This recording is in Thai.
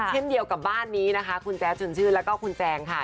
เช่นเดียวกับบ้านนี้นะคะคุณแจ๊ดชวนชื่นแล้วก็คุณแจงค่ะ